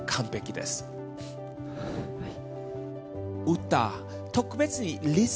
はい。